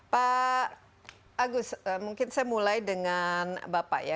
pak agus mungkin saya mulai dengan bapak ya